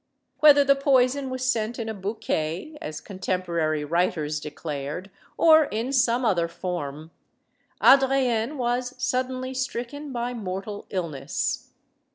Whether the poison was sent in a bouquet, as con temporary writers declared, or in some other form> Adrienne was suddenly stricken by mortal illness.